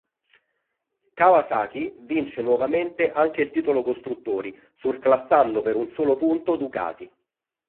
Kawasaki vince nuovamente anche il titolo costruttori surclassando per un solo punto Ducati.